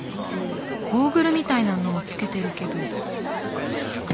ゴーグルみたいなのをつけてるけど。